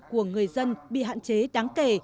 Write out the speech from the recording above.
của người dân bị hạn chế đáng kể